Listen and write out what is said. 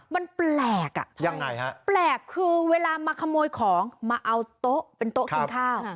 มันแปลกอ่ะยังไงฮะแปลกคือเวลามาขโมยของมาเอาโต๊ะเป็นโต๊ะกินข้าว